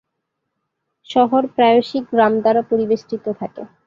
শহর প্রায়শই গ্রাম দ্বারা পরিবেষ্টিত থাকে।